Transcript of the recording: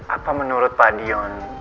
apa menurut pak dion